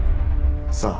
さあ。